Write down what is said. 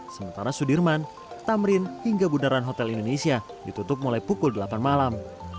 sementara sudirman tamrin hingga bundaran hotel indonesia ditutup mulai pukul delapan malam